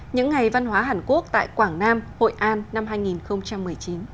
những ngày văn hóa hàn quốc tại quảng nam hội an năm hai nghìn một mươi chín